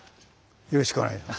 よろしくお願いします。